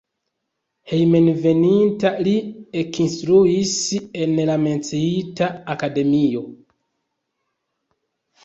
Hejmenveninta li ekinstruis en la menciita akademio.